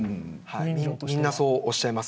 みんなそうおっしゃいます。